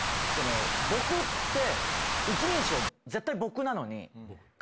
僕って一人称絶対「僕」なのに。